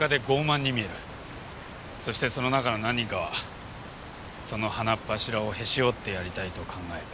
そしてその中の何人かはその鼻っ柱をへし折ってやりたいと考える。